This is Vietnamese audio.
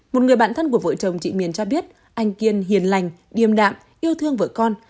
một người bạn thân của vợ chồng chị miền cho biết anh kiên hiền lành điêm đạm yêu thương vợ con